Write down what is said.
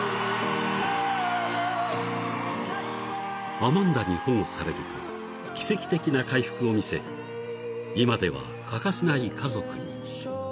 ［アマンダに保護されると奇跡的な回復を見せ今では欠かせない家族に］